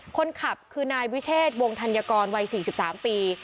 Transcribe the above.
คนขับคือนายวิเชษวงธัญกรวัย๔๓ปี